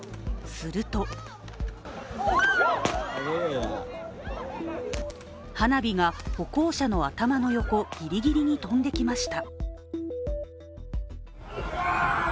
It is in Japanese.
すると花火が歩行者の頭の横ギリギリに飛んでいきました。